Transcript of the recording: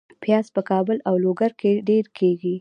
پیاز په کابل او لوګر کې ډیر کیږي